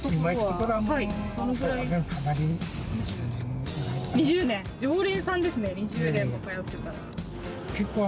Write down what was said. かなり２０年常連さんですね２０年も通ってたら。